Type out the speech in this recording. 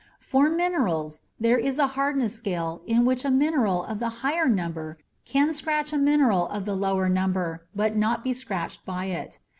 For minerals, there's a hardness scale in which a mineral of the higher number can scratch a mineral of the lower number but not be scratched by it.